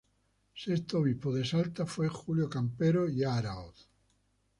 Sexto obispo de Salta fue Julio Campero y Aráoz.